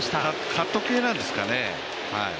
カット系なんですかね。